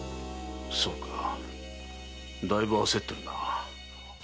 そうかだいぶ焦ってるな。